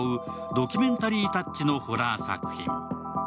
ドキュメンタリータッチのホラー作品。